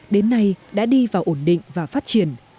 đến nay đã đi vào ổn định và phát triển